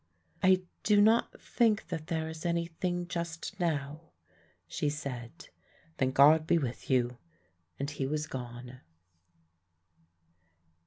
"I do not think that there is anything just now," she said. "Then God be with you," and he was gone.